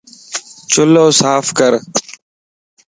چُلَ صاف ڪر